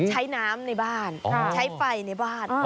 ใช้น้ำในบ้านใช้ไฟในบ้าน